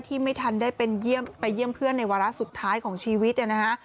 ที่ไม่ทันได้ไปเยี่ยมเพื่อนในวาระสุดท้ายของชีวิตเนี่ยนะฮะ